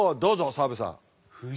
澤部さん。